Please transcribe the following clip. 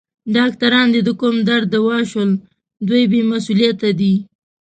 ډاکټران دي د کوم درد دوا شول؟ دوی بې مسؤلیته دي.